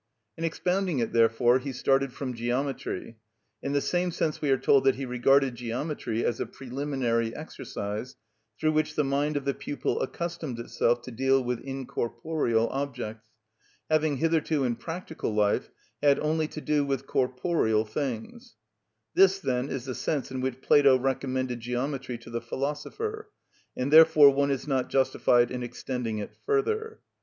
In expounding it, therefore, he started from geometry. In the same sense we are told that he regarded geometry as a preliminary exercise through which the mind of the pupil accustomed itself to deal with incorporeal objects, having hitherto in practical life had only to do with corporeal things (Schol. in Aristot., p. 12, 15). This, then, is the sense in which Plato recommended geometry to the philosopher; and therefore one is not justified in extending it further.